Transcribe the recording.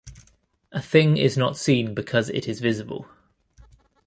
A thing is not seen because it is visible.